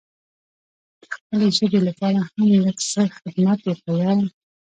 د خپلې ژبې لپاره هم لږ څه خدمت وکړه یاره!